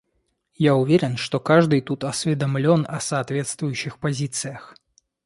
Я уверен, что каждый тут осведомлен о соответствующих позициях.